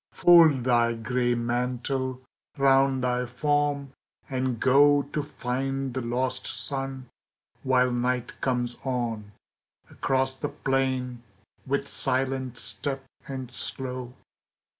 Fold thy gray mantle round thy form and go To find the lost sun, while Night comes on, Across the plain, with silent step and slow.